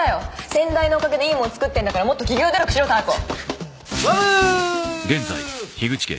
先代のおかげでいいもん作ってんだからもっと企業努力しろタコわぶー！